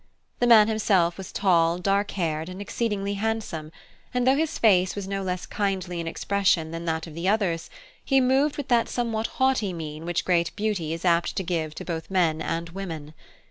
The man himself was tall, dark haired, and exceedingly handsome, and though his face was no less kindly in expression than that of the others, he moved with that somewhat haughty mien which great beauty is apt to give to both men and women.